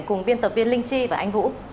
cùng biên tập viên linh chi và anh vũ